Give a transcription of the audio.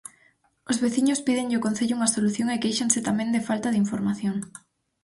Os veciños pídenlle ao Concello unha solución e quéixanse tamén de falta de información.